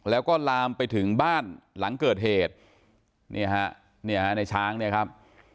แล้วก็ลามไปถึงบ้านหลังเกิดเหตุเนี่ยฮะเนี่ยฮะในช้างเนี่ยครับ